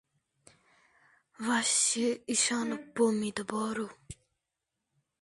• Barcha yaxshiliklar muhabbatdandir.